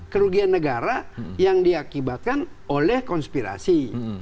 kerugian negara yang diakibatkan oleh konspirasi